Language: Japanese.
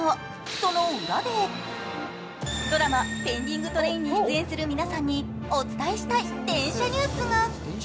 その裏で、ドラマ「ペンディングトレイン」に出演している皆さんにお伝えしたい電車ニュースが。